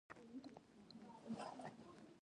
په ټول عمر کې بیا په اسانۍ خپل ځان موندلی نشي.